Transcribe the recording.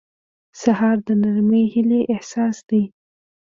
سهار د نرمې هیلې احساس دی.